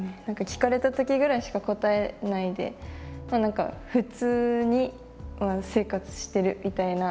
聞かれた時ぐらいしか答えないで何か普通に生活してるみたいな。